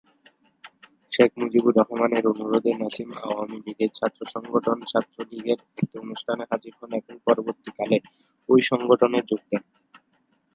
শেখ মুজিবুর রহমানের অনুরোধে নাসিম আওয়ামী লীগের ছাত্র সংগঠন ছাত্রলীগের একটি অনুষ্ঠানে হাজির হন এবং পরবর্তীকালে এই সংগঠনে যোগ দেন।